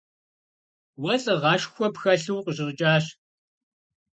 Уэ лӀыгъэшхуэ пхэлъу укъыщӀэкӀащ.